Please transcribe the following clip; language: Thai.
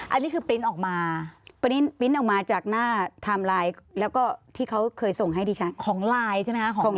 อันนี้คือออกมาออกมาจากหน้าแล้วก็ที่เขาเคยส่งให้ดิฉันของใช่ไหมคะของ